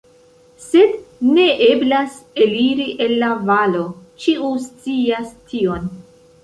Sed ne eblas eliri el la valo, ĉiu scias tion.